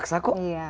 semampu kita saja